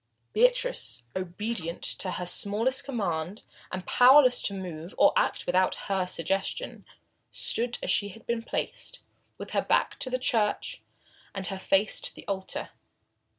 Beatrice, obedient to her smallest command, and powerless to move or act without her suggestion, stood still as she had been placed, with her back to the church and her face to the altar.